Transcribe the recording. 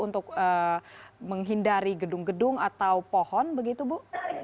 untuk menghindari gedung gedung atau pohon begitu bu